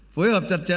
phối hợp chặt chẽ